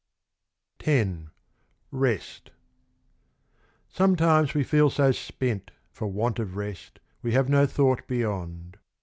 X Rest Sometimes we feel so spent for want of rest, We have no thought beyond.